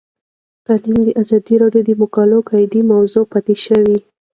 تعلیم د ازادي راډیو د مقالو کلیدي موضوع پاتې شوی.